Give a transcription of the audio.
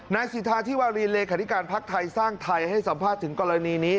นายสิทธาที่ว่าเรียนเลขาดิการพักทัยสร้างไทยให้สัมภาษณ์ถึงกรณีนี้